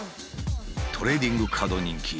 トレーディングカード人気